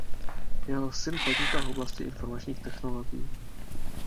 Jeho syn podniká v oblasti informačních technologií.